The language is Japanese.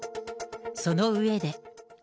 その上で。